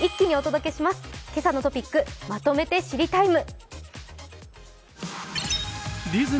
「けさのトピックまとめて知りＴＩＭＥ，」